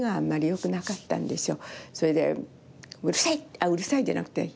あっ「うるさい」じゃなくて。